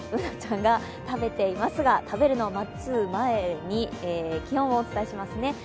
Ｂｏｏｎａちゃんが食べていますが食べるのを待つ前に気温をお伝えしますね。